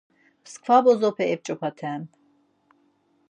Mskva bozope ep̌ç̌opaten.